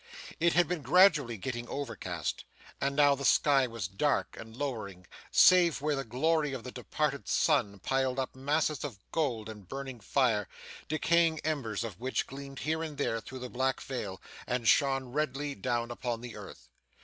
It had been gradually getting overcast, and now the sky was dark and lowering, save where the glory of the departing sun piled up masses of gold and burning fire, decaying embers of which gleamed here and there through the black veil, and shone redly down upon the earth.